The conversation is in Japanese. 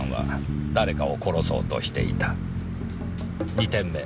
２点目。